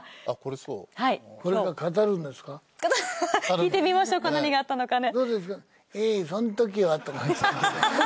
聞いてみましょうか何があったのかね。